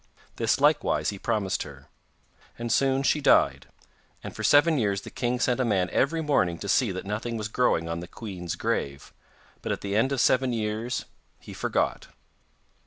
This likewise he promised her, and soon she died, and for seven years the king sent a man every morning to see that nothing was growing on the queen's grave, but at the end of seven years he forgot.